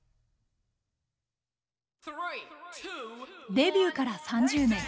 デビューから３０年。